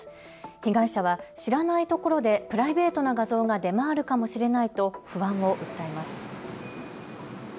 被害者は知らないところでプライベートな画像が出回るかもしれないと不安を訴えます。